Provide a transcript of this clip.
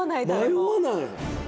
迷わない。